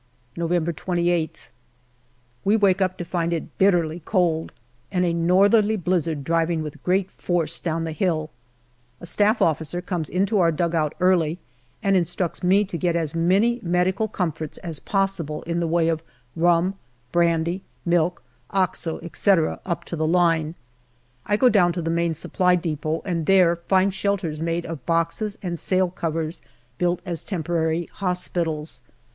November 28th. We wake up to find it bitterly cold and a northerly blizzard driving with great force down the Hill. A Staff officer comes into our dugout early and instructs me to get as many medical comforts as possible in the way of rum, brandy, milk, Oxo, etc., up to the line. I go down to the Main Supply depot, and there find shelters made of boxes and sailcovers built as temporary hospitals.